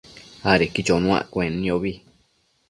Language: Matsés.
adequi chonuaccuenniobi